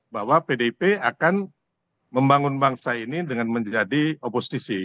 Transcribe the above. bahwa pdip akan membangun bangsa ini dengan menjadi oposisi